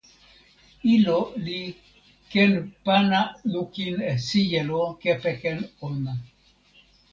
ilo li ken pana lukin e sijelo kepeken ona.